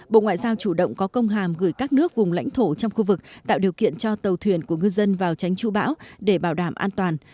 bộ ngoại giao chủ động có công hàm gửi các nước vùng lãnh thổ trong khu vực tạo điều kiện cho tàu thuyền của ngư dân vào tránh trụ bão để bảo đảm an toàn